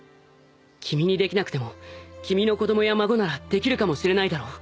君にできなくても君の子供や孫ならできるかもしれないだろう？